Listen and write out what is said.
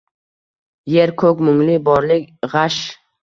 Yer-ko’k mungli, borlik g’ash